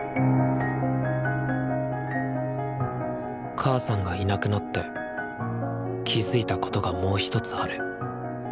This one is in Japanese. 母さんがいなくなって気付いたことがもう一つある。